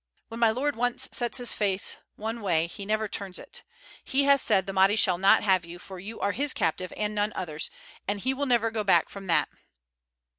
When my lord once sets his face one way he never turns it. He has said the Mahdi shall not have you, for you are his captive and none other's, and he will never go back from that."